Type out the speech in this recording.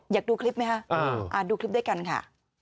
อยากดูคลิปไหมคะดูคลิปด้วยกันค่ะ